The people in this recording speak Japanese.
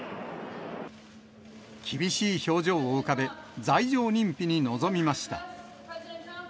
厳しい表情を浮かべ、罪状認否に臨みました。